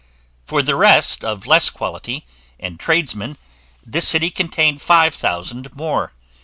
For the rest of less quality, and tradesmen, this city contained five thousand more.